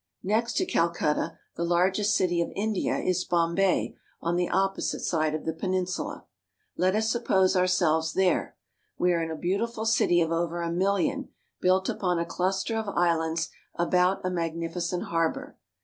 Next to Calcutta, the largest city of India is Bombay on the opposite side of the peninsula. Let us suppose our selves there. We are in a beautiful city of over a million, built upon a cluster of islands about a magnificent harbor.